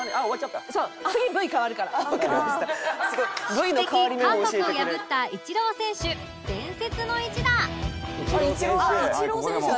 宿敵韓国を破ったイチロー選手伝説の一打あっイチローだ！